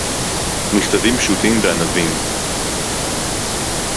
מִכְתָּבִים פְּשׁוּטִים וַעֲנָוִים